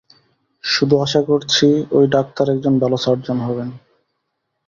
শুধু আশা করছি ওই ডাক্তার একজন ভালো সার্জন হবেন।